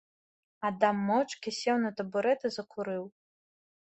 Адам моўчкі сеў на табурэт і закурыў.